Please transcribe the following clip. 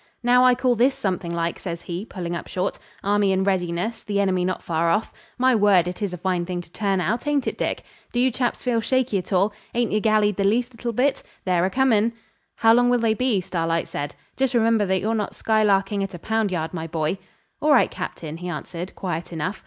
'Now I call this something like,' says he, pulling up short: 'army in readiness, the enemy not far off. My word, it is a fine thing to turn out, ain't it, Dick? Do you chaps feel shaky at all? Ain't yer gallied the least little bit? They're a comin'!' 'How long will they be?' Starlight said. 'Just remember that you're not skylarking at a pound yard, my boy.' 'All right, Captain,' he answered, quiet enough.